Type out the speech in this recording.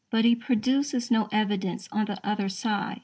But he produces no evidence on the other side.